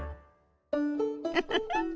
ウフフ。